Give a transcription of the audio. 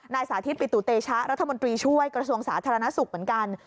สาธิตปิตุเตชะรัฐมนตรีช่วยกระทรวงสาธารณสุขเหมือนกัน